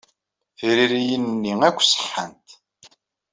Tiririyin-nni akk ṣeḥḥant.